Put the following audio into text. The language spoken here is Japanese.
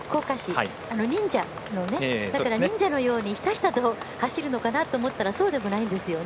だから忍者のように、ひたひたと走るのかなと思ったらそうでもないんですよね。